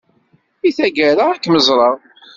I taggara ad kem-ẓreɣ.